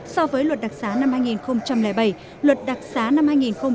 so với luật đặc giá năm hai nghìn bảy luật đặc giá năm hai nghìn một mươi tám